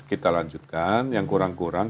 kita lanjutkan yang kurang kurang